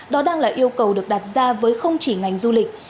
đó đang là yêu cầu được đặt ra với không chỉ ngành du lịch